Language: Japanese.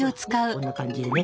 こんな感じでね。